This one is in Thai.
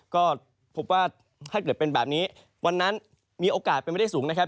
ก็พบว่าถ้าเกิดเป็นแบบนี้วันนั้นมีโอกาสเป็นไม่ได้สูงนะครับ